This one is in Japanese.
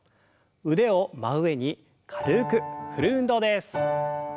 腕を真上に軽く振る運動です。